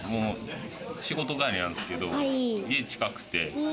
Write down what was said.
仕事帰りなんですけど、家が近くて。